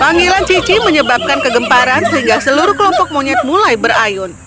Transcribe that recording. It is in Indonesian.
panggilan cici menyebabkan kegemparan sehingga seluruh kelompok monyet mulai berayun